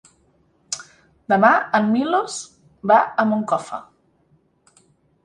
Demà en Milos va a Moncofa.